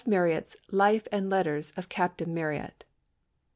Marryat's Life and Letters of Captain Marryat.